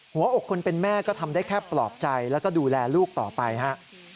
หัวอกคนเป็นแม่ก็ทำได้แค่ปลอบใจแล้วก็ดูแลลูกต่อไปฮะ